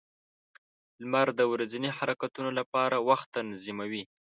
• لمر د ورځني حرکتونو لپاره وخت تنظیموي.